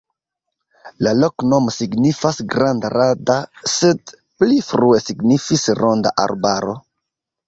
La loknomo signifas: granda-rada, sed pli frue signifis ronda arbaro.